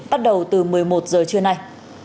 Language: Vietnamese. bắt đầu từ một mươi một giờ trưa nay